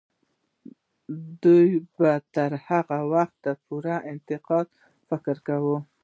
دوی به تر هغه وخته پورې انتقادي فکر کوي.